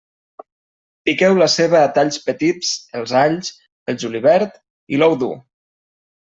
Piqueu la ceba a talls petits, els alls, el julivert i l'ou dur.